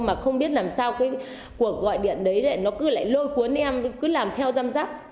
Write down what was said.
mà không biết làm sao cái cuộc gọi điện đấy nó cứ lại lôi cuốn em cứ làm theo giam giác